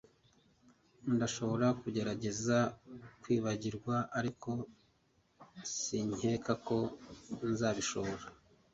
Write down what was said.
Ndashobora kugerageza kwibagirwa ariko sinkeka ko nzabishobora